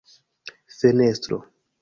fenestro